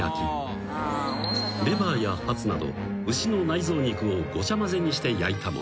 ［レバーやハツなど牛の内臓肉をごちゃ混ぜにして焼いたもの］